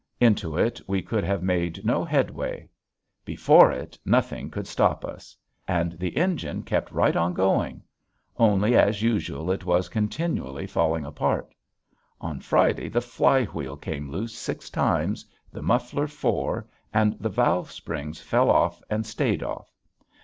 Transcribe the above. Into it we could have made no headway; before it nothing could stop us. And the engine kept right on going! only as usual it was continually falling apart. On Friday the flywheel came loose six times, the muffler four, and the valve spring fell off and stayed off.